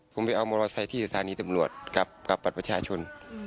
ผมไปเอามอเตอร์ไซค์ที่สถานีตำรวจกับบัตรประชาชน